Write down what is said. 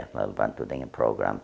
kalau kamu menggunakan program